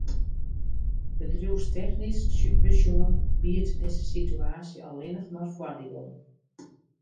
Bedriuwstechnysk besjoen biedt dizze situaasje allinnich mar foardielen.